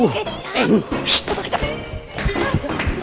ssst toko kecap